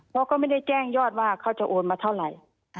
เพราะก็ไม่ได้แจ้งยอดว่าเขาจะโอนมาเท่าไหร่